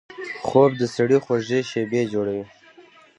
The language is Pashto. خوب د سړي خوږې شیبې جوړوي